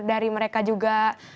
dari mereka juga